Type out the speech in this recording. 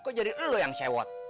kok jadi lu yang sewot